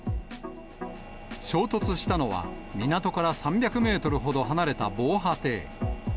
衝突したのは、港から３００メートルほど離れた防波堤。